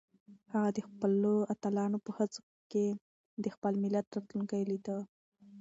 هغه د خپلو اتلانو په هڅو کې د خپل ملت راتلونکی لیده.